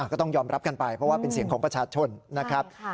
ก็ต้องยอมรับกันไปเพราะว่าเป็นเสียงของประชาชนนะครับ